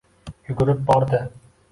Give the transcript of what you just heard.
Yugurib bordi